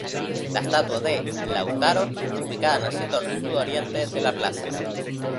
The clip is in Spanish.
La estatua de Lautaro, ubicada en el sector sur-oriente de la plaza.